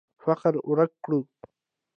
فقر ورک کړو.